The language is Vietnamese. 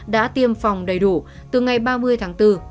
đã tiêm phòng đầy đủ từ ngày ba mươi tháng bốn